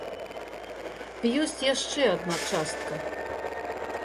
Ёсць яшчэ адна частка.